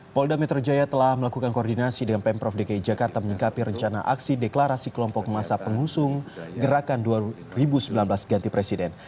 polda metro jaya telah melakukan koordinasi dengan pemprov dki jakarta menyikapi rencana aksi deklarasi kelompok masa pengusung gerakan dua ribu sembilan belas ganti presiden